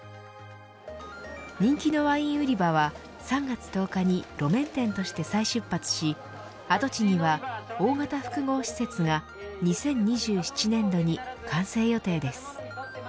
人気のワイン売り場は３月１０日に路面店として再出発し跡地には大型複合施設が２０２７年度に完成予定です。